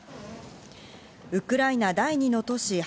ウクライナ第２の都市